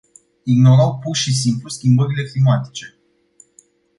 Ignorau pur și simplu schimbările climatice.